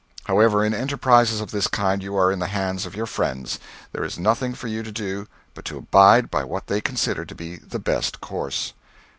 However, in enterprises of this kind you are in the hands of your friends; there is nothing for you to do but to abide by what they consider to be the best course.